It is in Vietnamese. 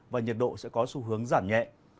và nhiệt độ sẽ có xu hướng giảm nhẹ